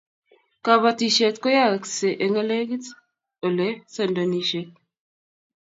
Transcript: kabatishiet ko ayaksee eng negit ole sendonishiek